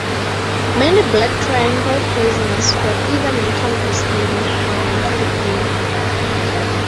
Many black triangle prisoners were either mentally disabled or mentally ill.